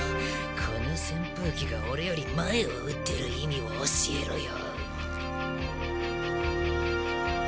この扇風機が俺より前を打ってる意味を教えろよ。